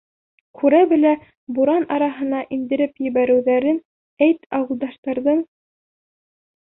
Күрә-белә буран араһына индереп ебәреүҙәрен әйт ауылдаштарҙың...